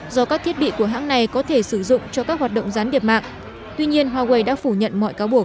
do các thiết bị của hãng này có thể sử dụng cho các hoạt động gián điệp mạng tuy nhiên huawei đã phủ nhận mọi cáo buộc